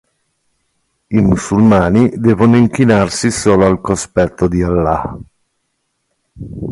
I musulmani devono inchinarsi solo al cospetto di Allah.